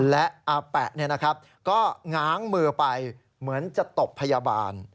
และอะแปะเนี่ยนะครับก็ง้างมือไปเหมือนจะตบพยาบาล